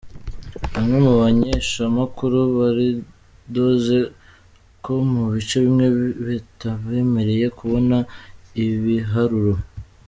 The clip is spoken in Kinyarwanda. Bamwe mu bamenyeshamakuru baridoze ko mu bice bimwe bimwe batabemereye kubona ibiharuro.